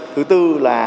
thứ tư là